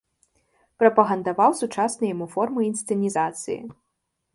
Прапагандаваў сучасныя яму формы інсцэнізацыі.